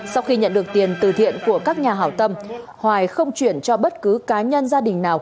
sau khi nhận được tiền từ thiện của các nhà hảo tâm hoài không chuyển cho bất cứ cá nhân gia đình nào